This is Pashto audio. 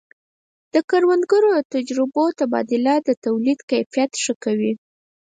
د کروندګرو د تجربو تبادله د تولید کیفیت ښه کوي.